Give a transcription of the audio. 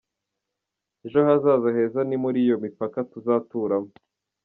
Ejo hazaza heza ni muri iyo mipaka tuzaturamo.